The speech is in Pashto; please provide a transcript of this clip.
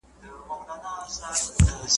یوه ورځ ګورې چي ولاړ سي له جهانه `